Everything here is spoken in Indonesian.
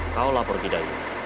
kau lapor di dayu